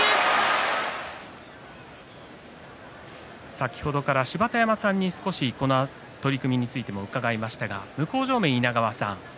先ほどから芝田山さんに少しこの取組についても伺いましたが向正面の稲川さん